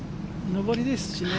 上りですしね。